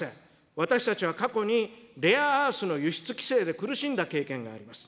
私たちは過去に、レアアースの輸出規制で苦しんだ経験があります。